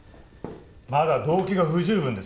まだ動機が不十分です。